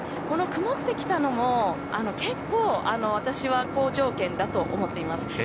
この曇ってきたのも結構私は好条件だと思っています。